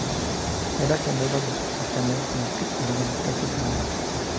Era gemelo del "Canarias", con el que conformaba la Clase Canarias.